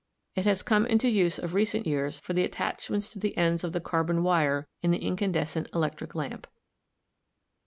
It has come into use of recent years for the attachments to the ends of the carbon wire in the incandescent electric lamp.